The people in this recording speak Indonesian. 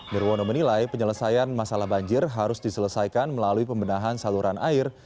nirwono menilai penyelesaian masalah banjir harus diselesaikan melalui pembenahan saluran air